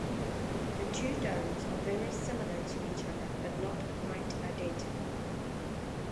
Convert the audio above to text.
The two domes are very similar to each other but not quite identical.